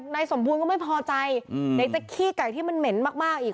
นายสมบูรณ์ก็ไม่พอใจไหนจะขี้ไก่ที่มันเหม็นมากอีก